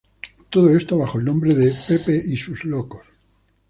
Todo esto bajo el nombre de "Pepe y sus Locos.